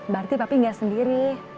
berarti papi gak sendiri